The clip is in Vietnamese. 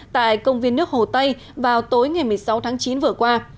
tại công viên nước hồ tây vào tối ngày một mươi sáu tháng chín vừa qua